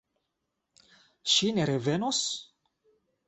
Ŝi ne revenos?